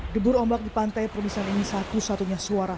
debur ombak di pantai perumisan ini satu satunya suara